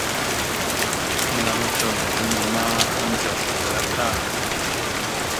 Məlam atah ava henne ma, adza slaslaɗa.